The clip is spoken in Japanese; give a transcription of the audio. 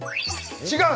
違う。